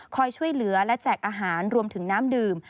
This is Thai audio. ช่วยเหลือและแจกอาหารรวมถึงน้ำดื่ม